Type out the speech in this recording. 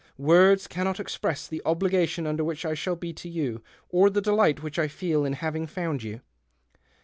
Words cannot express the obligation under which I shall be to you, or the delight which I feel in having found you."